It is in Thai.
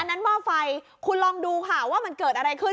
อันนั้นม่อไฟคุณลองดูว่ามันเกิดอะไรขึ้น